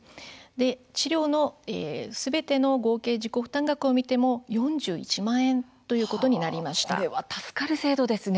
治療のすべての合計自己負担額を見ても４１万円これは助かる制度ですね。